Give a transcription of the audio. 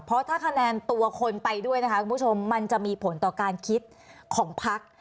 เพราะถ้าคะแนนตัวคนไปด้วยนะคะคุณผู้ชมมันจะมีผลต่อการคิดของพัก